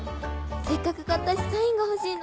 せっかく買ったしサインが欲しいの。